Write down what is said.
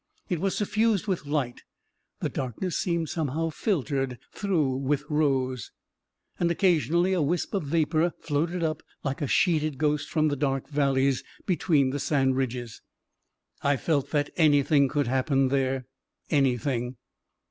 It was suffused with light — the darkness seemed somehow filtered through with rose — and occasionally a wisp of vapor floated up like a sheeted ghost from the dark valleys between the sand ridges. I felt that anything could happen there — any thing